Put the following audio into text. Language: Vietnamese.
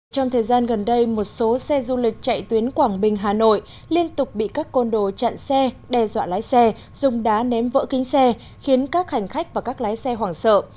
trong thời gian gần đây một số xe du lịch chạy tuyến quảng bình hà nội liên tục bị các côn đồ chặn xe đe dọa lái xe dùng đá ném vỡ kính xe khiến các hành khách và các lái xe hoảng sợ